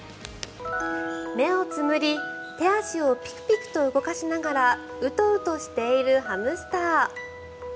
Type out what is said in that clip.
目をつむり手足をピクピクと動かしながらうとうとしているハムスター。